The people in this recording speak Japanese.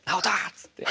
っつって。